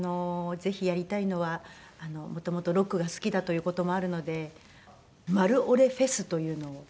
ぜひやりたいのはもともとロックが好きだという事もあるのでマルオレフェスというのを。